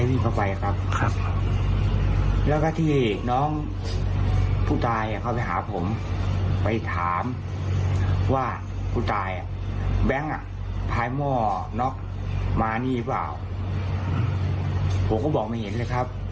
มานี่หรือเปล่าผมก็บอกไม่เห็นเลยครับ